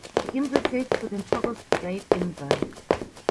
Die Insel zählt zu den Torres-Strait-Inseln.